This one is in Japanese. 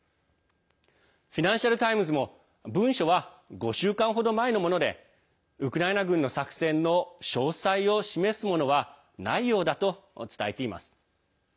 フィナンシャル・タイムズも文書は５週間程前のものでウクライナ軍の作戦の詳細を示すものはないようだと伝えています。